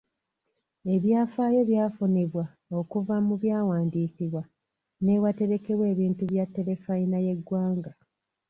Ebyafaayo byafunibwa okuva mu byawandiikibwa n'ewaterekebwa ebintu bya terefayina y'eggwanga .